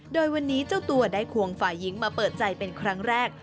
โดยวันนี้เจ้าตัวได้ควงฝ่ายหญิงมาเปิดใจเป็นครั้งแรก